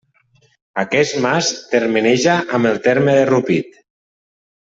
Aquest mas termeneja amb el terme de Rupit.